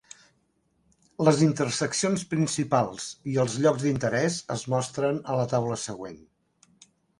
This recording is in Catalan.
Les interseccions principals i els llocs d'interès es mostren a la taula següent.